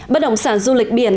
bất đồng sản du lịch biển